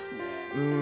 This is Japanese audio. うん。